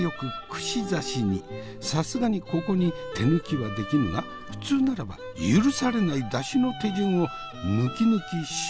さすがにここに手抜きはできぬが普通ならば許されない出汁の手順をヌキヌキしおる。